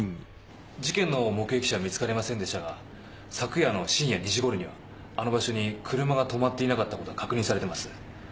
事件の目撃者は見つかりませんでしたが昨夜の深夜２時頃にはあの場所に車が止まっていなかったことが確認されてます。